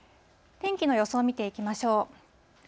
天気の予想を見ていきましょう。